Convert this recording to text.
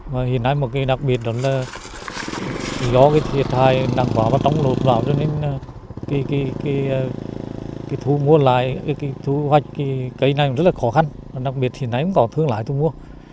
và hiện nay một cái đặc biệt đó là do cái thiệt hại đang vào và trống lột vào cho nên cái thu mua lại cái thu hoạch cây này rất là khó khăn và đặc biệt hiện nay cũng có thương lãi thu mua